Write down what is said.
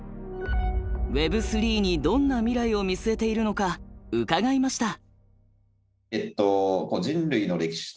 Ｗｅｂ３にどんな未来を見据えているのか伺いました。